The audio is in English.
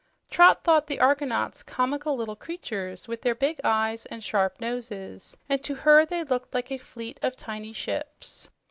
Trot thought the argonauts comical little creatures, with their big eyes and sharp noses, and to her they looked like a fleet of tiny ships.